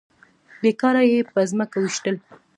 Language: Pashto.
بې کاره يې په ځمکه ويشتل.